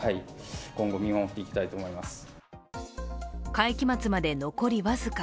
会期末まで残り僅か。